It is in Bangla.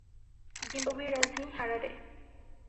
জিম্বাবুয়ের রাজধানী হারারে।